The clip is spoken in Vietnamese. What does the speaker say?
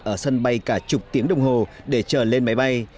ở sân bay cả chục tiếng đồng hồ để trở lên máy bay